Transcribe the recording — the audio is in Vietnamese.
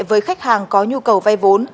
với khách hàng có nhu cầu vay vốn